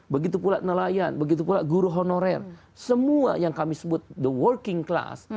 begitu pula nelayan begitu pula guru honorer semua yang kami sebut the working class